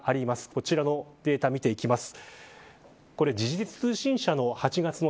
こちらのデータ見ていきます。